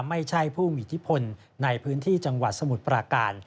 ไม่ใช่ผู้มีอิทธิพลในพื้นที่จังหวัดสมุทรปราการ